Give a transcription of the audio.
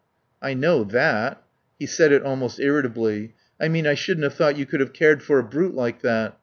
"I know that." He said it almost irritably. "I mean I shouldn't have thought you could have cared for a brute like that....